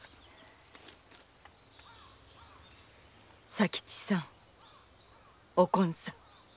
佐吉さんおこんさん。